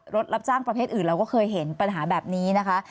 รับจ้างประเภทอื่นเราก็เคยเห็นปัญหาแบบนี้นะคะ